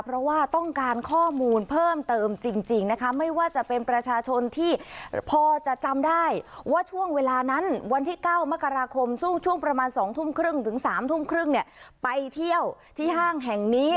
เพราะว่าต้องการข้อมูลเพิ่มเติมจริงไม่ว่าจะเป็นประชาชนที่พอจำได้ว่าช่วงเวลานั้นวันที่๙มกรคมช่วงประมาณ๒๓๐๓๓๐ไปเที่ยวที่ห้างแห่งนี้